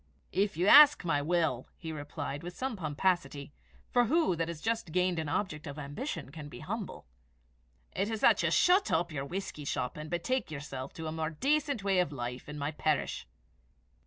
"If you ask my will," he replied, with some pomposity, for who that has just gained an object of ambition can be humble? "it is that you shut up this whisky shop, and betake yourself to a more decent way of life in my parish."